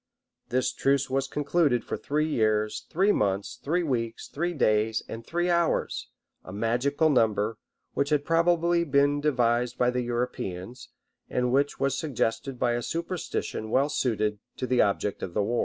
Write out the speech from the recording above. This truce was concluded for three years, three months, three weeks, three days, and three hours; a magical number, which had probably been devised by the Europeans, and which was suggested by a superstition well suited to the object of the war.